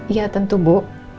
iya tentu bu